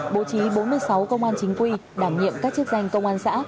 bố trí bốn mươi sáu công an chính quy đảm nhiệm các chức danh công an xã